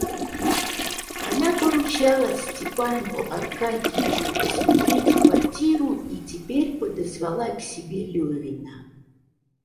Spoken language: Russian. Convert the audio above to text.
Она поручала Степану Аркадьичу посмотреть квартиру и теперь подозвала к себе Левина.